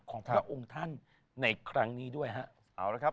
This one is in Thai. ของพระองค์ท่านในครั้งนี้ด้วยฮะเอาละครับ